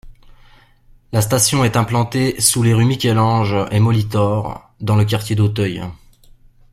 La station est implantée sous les rues Michel-Ange et Molitor, dans le quartier d'Auteuil.